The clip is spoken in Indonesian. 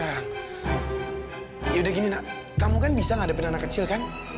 aku udah gini kamu kan bisa ada anak kecil kan